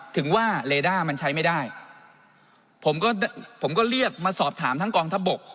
ถึงว่าเลด้ามันใช้ไม่ได้ผมก็ผมก็เรียกมาสอบถามทั้งกองทัพบก